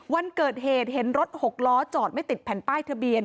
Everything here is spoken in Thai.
วันเกิดเหตุเห็นรถหกล้อจอดไม่ติดแผ่นป้ายทะเบียน